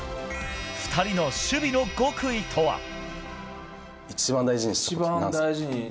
２人の守備の極意とは。